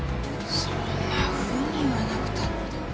そんなふうに言わなくたって。